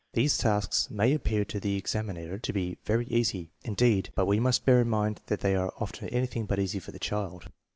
These tasks may appear to the examiner to be very easy, indeed; but we must bear in mind that they are often anything but easy for the child.